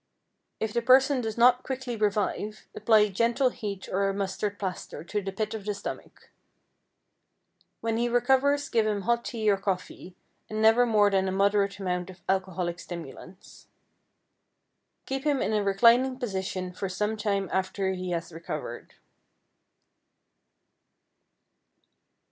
If the person does not quickly revive, apply gentle heat or a mustard plaster to the pit of the stomach. When he recovers give him hot tea or coffee, and never more than a moderate amount of alcoholic stimulants. Keep him in a reclining position for some time after he has recovered.